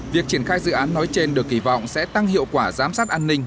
việc triển khai dự án nói trên được kỳ vọng sẽ tăng hiệu quả giám sát an ninh